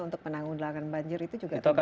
untuk penanggulangan banjir itu juga tidak sempurna